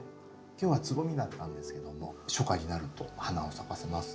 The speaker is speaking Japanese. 今日はつぼみだったんですけども初夏になると花を咲かせます。